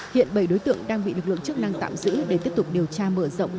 hiện bảy đối tượng đang bị lực lượng chức năng tạm giữ để tiếp tục điều tra mở rộng